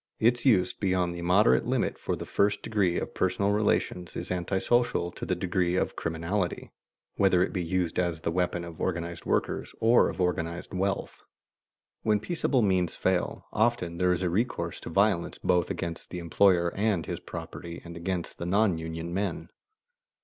Its use beyond the moderate limit of the first degree of personal relations is antisocial to the degree of criminality, whether it be used as the weapon of organized workers or of organized wealth. [Sidenote: Violence in strikes is mob law] When peaceable means fail, often there is a recourse to violence both against the employer and his property and against the non union men.